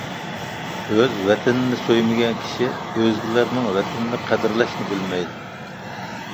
ئۆز ۋەتىنىنى سۆيمىگەن كىشى ئۆزگىلەرنىڭ ۋەتىنىنى قەدىرلەشنى بىلمەيدۇ.